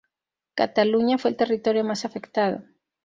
Cataluña fue el territorio más afectado.